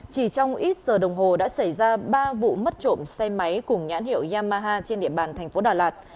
chỉ trong ít giờ đồng hồ đã xảy ra ba vụ mất trộm xe máy cùng nhãn hiệu yamaha trên địa bàn thành phố đà lạt